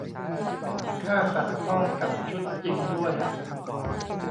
ค่าขัดห้องกับชุดจริงด้วย